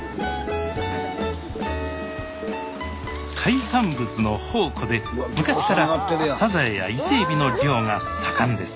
海産物の宝庫で昔からサザエや伊勢えびの漁が盛んです